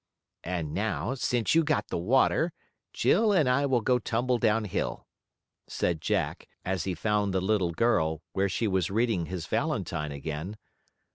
"And now, since you got the water, Jill and I will go tumble down hill," said Jack, as he found the little girl, where she was reading his valentine again.